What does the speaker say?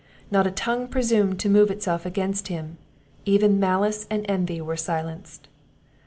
Not a tongue presumed to move itself against him; even malice and envy were silenced.